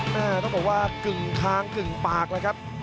ต้องบอกว่ากึ่งคางกึ่งปากเลยครับ